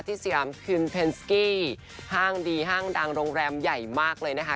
สยามคืนเพนสกี้ห้างดีห้างดังโรงแรมใหญ่มากเลยนะคะ